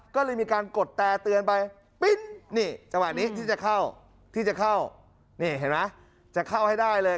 ก็เลยมีการกดแตรเตือนไปปิ้นนี่จังหวะนี้ที่จะเข้าที่จะเข้านี่เห็นไหมจะเข้าให้ได้เลย